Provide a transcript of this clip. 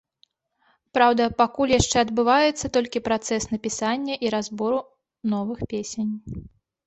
Праўда, пакуль яшчэ адбываецца толькі працэс напісання і разбору новых песень.